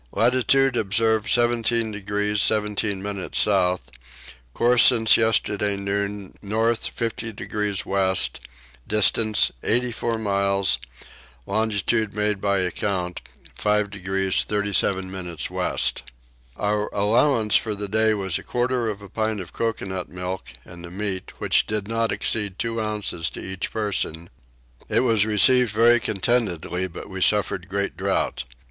Latitude observed 17 degrees 17 minutes south; course since yesterday noon north 50 degrees west; distance 84 miles; longitude made by account 5 degrees 37 minutes west. Our allowance for the day was a quarter of a pint of coconut milk and the meat, which did not exceed two ounces to each person: it was received very contentedly but we suffered great drought.